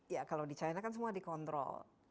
ya kalau di china kan semua dikontrol